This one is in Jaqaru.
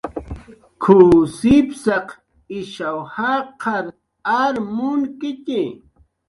"K""uw sipsaq ishaw jaqar ar munkitxi"